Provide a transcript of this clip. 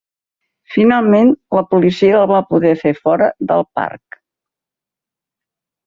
Finalment, la policia el va poder fer fora del parc!